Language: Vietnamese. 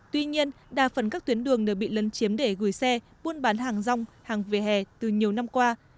tuy nhiên đa phần các tuyến đường đều bị lấn chiếm để gửi xe buôn bán hàng rong hàng về hè từ nhiều năm qua